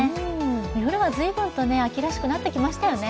夜はずいぶんと秋らしくなってきましたよね。